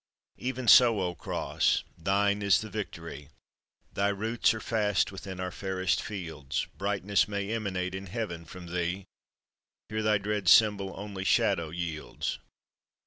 Even so, O Cross! thine is the victory. Thy roots are fast within our fairest fields; Brightness may emanate in Heaven from thee, Here thy dread symbol only shadow yields.